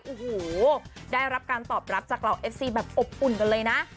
โอ้โหได้รับการตอบรับจากเหล่าเอฟซีแบบอบอุ่นกันเลยนะ